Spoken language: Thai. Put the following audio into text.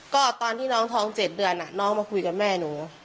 ก็ตอนที่น้องท้อง๗เดือนน้องมาคุยกับแม่หนู